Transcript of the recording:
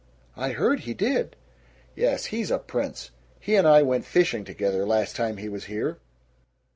"I heard he did." "Yes. He's a prince. He and I went fishing together, last time he was here."